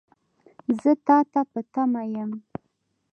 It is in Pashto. زه تا ته په تمه یم .